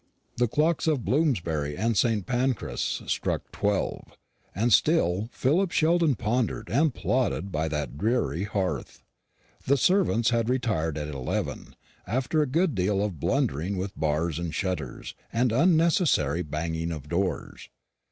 The clocks of Bloomsbury and St. Pancras struck twelve, and still Philip Sheldon pondered and plotted by that dreary hearth. The servants had retired at eleven, after a good deal of blundering with bars and shutters, and unnecessary banging of doors.